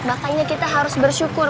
makanya kita harus bersyukur